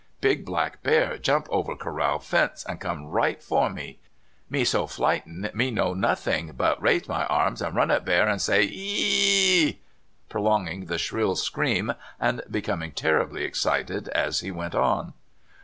Big black bear jump over corral fence and come right for me. Me so flighten me know nothing, but raise my arms, run at bear, and say, E e e e e'c! " prolonging the shrill scream and be coming terribly excited as he went on.